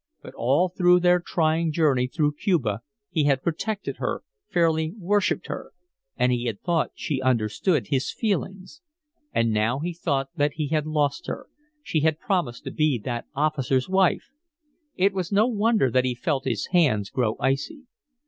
But all through their trying journey through Cuba he had protected her, fairly worshiped her. And he had thought she understood his feelings. And now he thought that he had lost her she had promised to be that officer's wife! It was no wonder that he felt his hands grow icy.